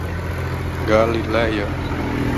Galileia